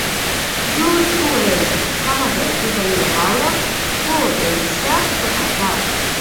جورج وویل: سمه ده، زه به یې راوړم، خو د یو شرط پر اساس.